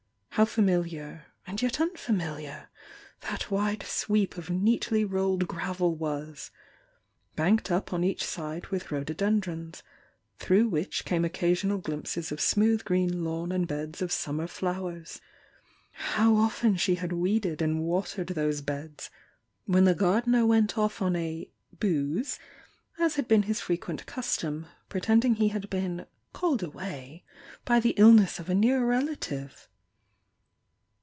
How familiar and yet unfamiliar that wide sweep of neatly roUed gravel was! banked up on each side with rhododendrons, through which came occasional glimpses of smooth green lawn and beds of summer flowers! How often she had weeded and watered those beds, when the gardener went off on a "booze," as had been his frequent custom, pretending he had been "called away" by the illness of a near rela tive!